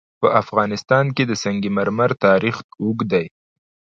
په افغانستان کې د سنگ مرمر تاریخ اوږد دی.